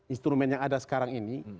instrumen yang ada sekarang ini